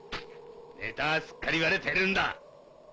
ネタはすっかり割れてるんだ。